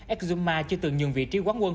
exuma chưa từng nhường vị trí quán quân